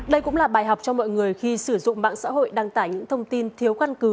đây cũng là bài học cho mọi người khi sử dụng mạng xã hội đăng tải những thông tin thiếu căn cứ